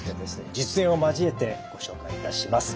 実演を交えてご紹介いたします。